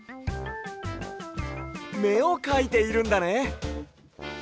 めをかいているんだね。